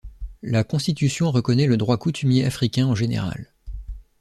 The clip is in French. La Constitution reconnait le droit coutumier africain en général.